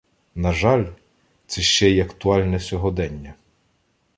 На жаль, це ще й актуальне сьогодення.